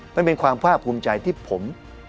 มันเป็นความภาคภูมิใจที่ผม